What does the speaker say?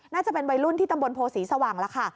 น่าจะเป็นวัยรุ่นที่ตำบลโพศรีสว่างแล้วค่ะ